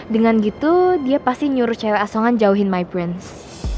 dengan gitu dia pasti nyuruh cewek asongan jauhin my prince